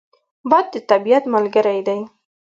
باد د طبیعت ملګری دی